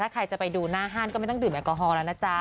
ใครจะไปดูหน้าห้างก็ไม่ต้องดื่มแอลกอฮอลแล้วนะจ๊ะ